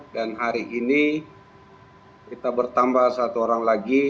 dan hari ini kita bertambah satu orang lagi